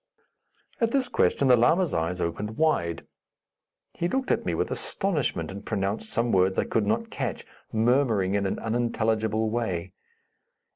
At this question the lama's eyes opened wide; he looked at me with astonishment and pronounced some words I could not catch, murmuring in an unintelligible way.